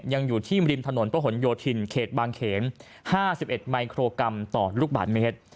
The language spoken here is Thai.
อยู่ที่ริมถนนประหลโยธินเขตบางเขน๕๑มิโครกรัมต่อลูกบาทเมตร